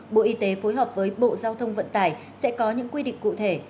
bộ y tế phối hợp với bộ giao thông vận tải sẽ có những quy định cụ thể